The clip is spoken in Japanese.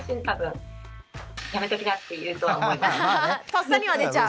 とっさには出ちゃう。